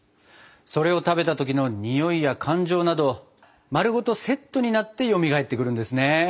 それを食べた時のにおいや感情など丸ごとセットになってよみがえってくるんですね。